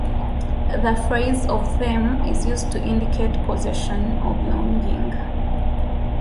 The phrase "of them" is used to indicate possession or belonging.